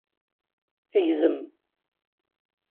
Gzem!